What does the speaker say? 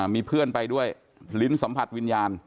มีเพื่อนไปด้วยลิ้นสัมผัสวิญญาณ